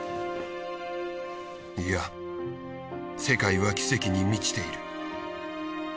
いや世界は奇跡に満ちている。